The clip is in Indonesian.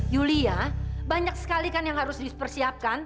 yulia banyak sekali kan yang harus dipersiapkan